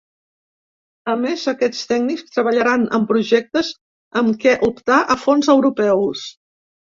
A més, aquests tècnics treballaran en projectes amb què optar a fons europeus.